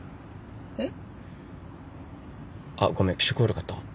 えっ？あっごめん気色悪かった？